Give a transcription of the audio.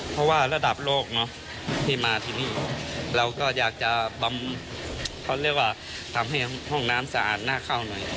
เพราะว่าระดับโลกที่มาที่นี่เราก็อยากจะทำให้ห้องน้ำสะอาดน่าเข้าหน่อย